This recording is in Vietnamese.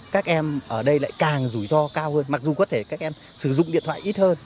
các em ở đây lại càng rủi ro cao hơn mặc dù có thể các em sử dụng điện thoại ít hơn